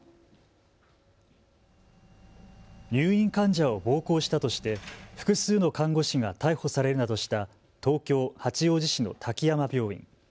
入院患者を暴行したとして複数の看護師が逮捕されるなどした東京八王子市の滝山病院。